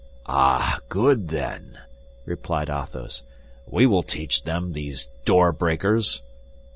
"Ah, good, then," replied Athos, "we will teach them, these door breakers!"